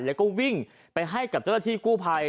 แล้วก็วิ่งไปให้กับเจ้าหน้าที่กู้ภัย